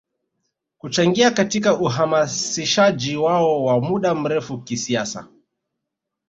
Kuchangia katika uhamasishaji wao wa muda mrefu kisiasa